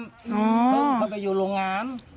พึ่งเข้าไปอยู่โรงงาน